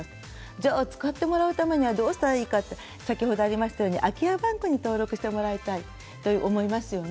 じゃあ使ってもらうためにはどうしたらいいかって先ほどありましたように空き家バンクに登録してもらいたいと思いますよね。